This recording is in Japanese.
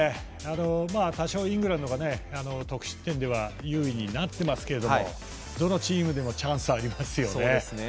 多少、イングランドが得失点では優位になっていますがどのチームにもチャンスはありますよね。